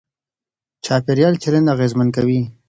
چاپېريال چلند اغېزمن کوي.